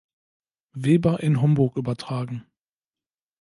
Weber in Homburg übertragen.